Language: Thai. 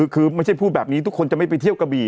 คือไม่ใช่พูดแบบนี้ทุกคนจะไม่ไปเที่ยวกระบี่